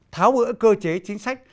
tháo bữa cơ chế chính sách